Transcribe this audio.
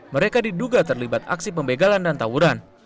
mereka diduga terlibat aksi pembegalan dan tawuran